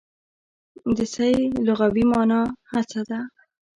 د سعې لغوي مانا هڅه ده.